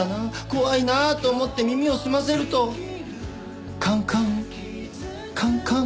怖いな」と思って耳を澄ませると「カンカンカンカン」。